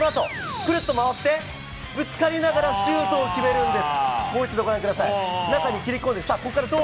クルッと回って、ぶつかりながらシュートを決めるんです。